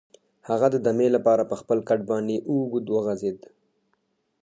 هغه د دمې لپاره په خپل کټ باندې اوږد وغځېد.